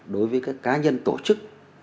đối với các cá nhân tổ chức